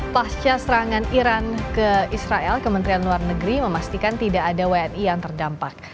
pasca serangan iran ke israel kementerian luar negeri memastikan tidak ada wni yang terdampak